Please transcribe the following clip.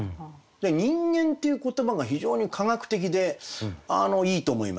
で「人間」っていう言葉が非常に科学的でいいと思いました。